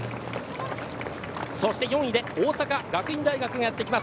そして４位で大阪学院大学がやってきます。